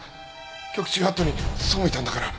局中法度に背いたんだから。